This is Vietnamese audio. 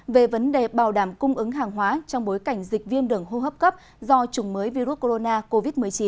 về vấn đề bảo đảm cung ứng hàng hóa trong bối cảnh dịch viêm đường hô hấp cấp do chủng mới virus corona covid một mươi chín